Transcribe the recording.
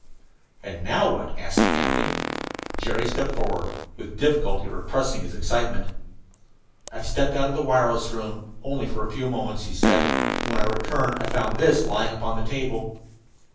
"And now what?" asked the captain. Jerry stepped forward, with difficulty repressing his excitement. "I stepped out of the wireless room for only a few moments," he said. "When I returned I found this lying upon the table."